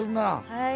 はい。